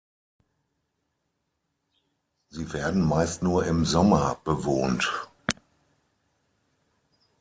Sie werden meist nur im Sommer bewohnt.